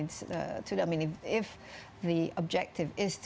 dan itu juga membuat